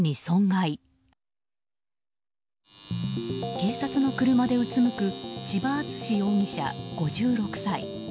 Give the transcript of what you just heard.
警察の車でうつむく千葉篤史容疑者、５６歳。